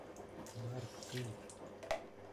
Бар, ин!